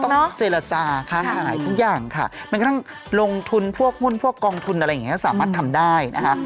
ต้องเจรจาค้าขายทุกอย่างค่ะแม้กระทั่งลงทุนพวกหุ้นพวกกองทุนอะไรอย่างนี้สามารถทำได้นะคะ